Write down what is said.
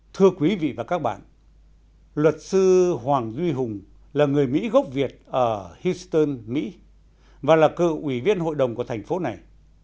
thưa quý vị và các bạn luật sư hoàng duy hùng là người mỹ gốc việt ở houston mỹ và là cơ ủy viên hội đồng của thành phố này